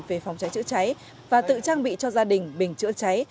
về phòng cháy chữa cháy và tự trang bị cho gia đình bình chữa cháy